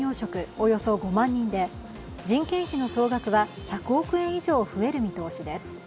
およそ５万人で人件費の総額は１００億円以上増える見通しです。